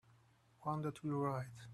One that will write.